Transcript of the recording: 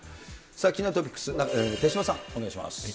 気になるトピックス、手嶋さん、お願いします。